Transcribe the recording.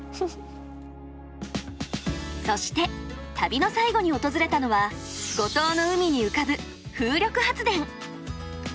そして旅の最後に訪れたのは五島の海に浮かぶ風力発電。